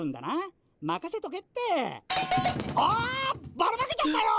ばらまけちゃったよ！